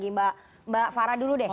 mbak farah dulu deh